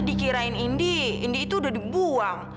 dikirain indi indi itu udah dibuang